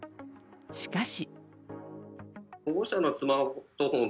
しかし。